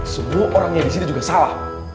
semua orangnya disini juga salah